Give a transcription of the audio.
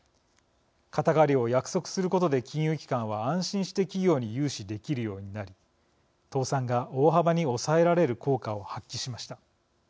肩代わりを約束することで金融機関は安心して企業に融資できるようになり倒産が大幅に抑えられる効果を発揮しました。